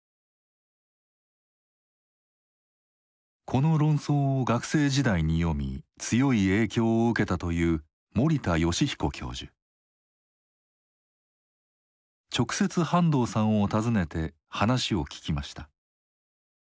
この論争を学生時代に読み強い影響を受けたという直接半藤さんを訪ねて話を聞きました。